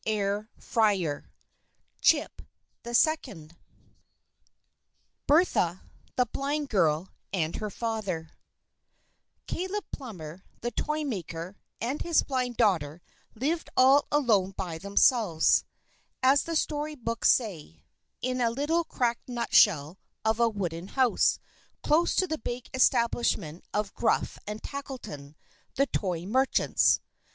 XXXV CHIRP THE SECOND Bertha, the Blind Girl, and Her Father CALEB PLUMMER, the toy maker, and his blind daughter lived all alone by themselves, as the Story Books say, in a little cracked nutshell of a wooden house, close to the big establishment of Gruff and Tackleton, the toy merchants.